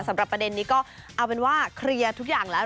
สำหรับประเด็นนี้ก็เอาเป็นว่าเคลียร์ทุกอย่างแล้ว